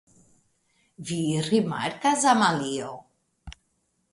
Vi rimarkas, Amalio?